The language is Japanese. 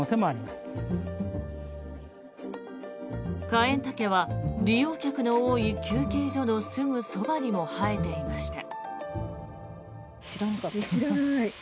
カエンタケは利用客の多い休憩所のすぐそばにも生えていました。